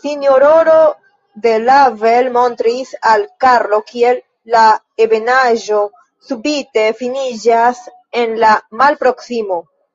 Sinjororo de Lavel montris al Karlo, kiel la ebenaĵo subite finiĝas en la malproksimo.